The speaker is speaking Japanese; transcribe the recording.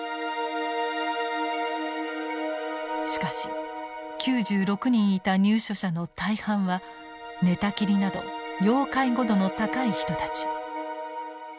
しかし９６人いた入所者の大半は寝たきりなど要介護度の高い人たち。